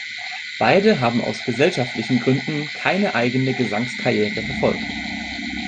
Beide haben aus gesellschaftlichen Gründen keine eigene Gesangskarriere verfolgt.